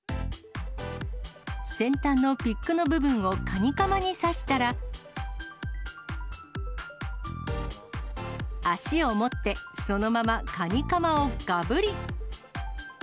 先端のピックの部分をカニカマに刺したら、脚を持って、そのままカニカマをがぶり。